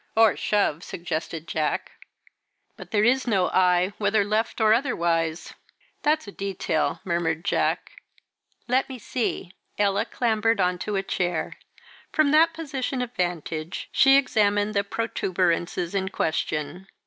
'" "Or shove," suggested Jack. "But there is no eye whether left or otherwise." "That's a detail," murmured Jack. "Let me see." Ella clambered on to a chair. From that position of vantage she examined the protuberances in question.